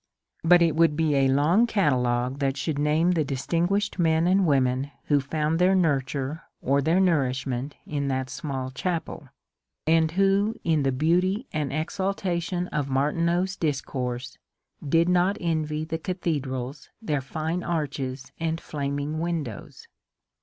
But it would be a long catalogue that should name the distinguished men and women who found their nurture or their nourishment in that small chapel, and who in the beauty and exaltation of Martineau's discourse did not envy the cathedrals their fine arches and flaming windows.